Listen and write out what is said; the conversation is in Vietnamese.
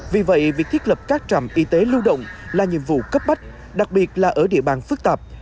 vì vậy việc thiết lập các trạm y tế lưu động là nhiệm vụ cấp bách đặc biệt là ở địa bàn phức tạp